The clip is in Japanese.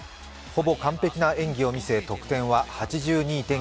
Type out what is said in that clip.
ほぼ完璧な演技を見せ得点は８２．１６。